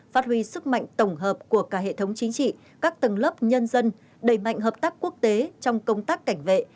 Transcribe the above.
phát huy sức mạnh tổng hợp của cả hệ thống chính trị các tầng lớp nhân dân đẩy mạnh hợp tác quốc tế trong công tác cảnh vệ